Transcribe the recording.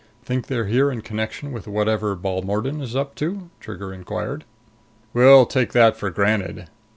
"Think they're here in connection with whatever Balmordan is up to?" Trigger inquired. "We'll take that for granted.